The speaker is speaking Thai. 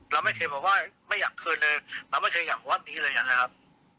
เราไม่เคยบอกว่าไม่อยากคืนเลยเราไม่เคยอยากวัดนี้เลยนะครับ